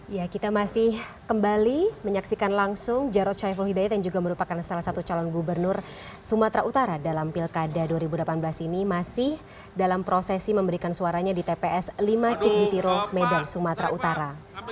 ya kita masih kembali menyaksikan langsung jarod saiful hidayat yang juga merupakan salah satu calon gubernur sumatera utara dalam pilkada dua ribu delapan belas ini masih dalam prosesi memberikan suaranya di tps lima ciknitiro medan sumatera utara